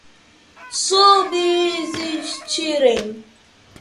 subsistirem